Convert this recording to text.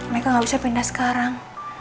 mereka nggak bisa pindah sekarang